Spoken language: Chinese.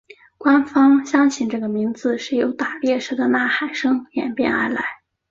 官方相信这个名字是由打猎时的呐喊声演变而来。